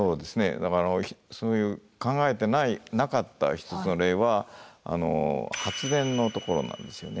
だからそういう考えてなかった一つの例は発電のところなんですよね。